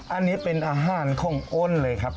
อันนี้เป็นอาหารของอ้นเลยครับ